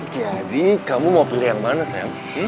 jadi kamu mau pilih yang mana sayang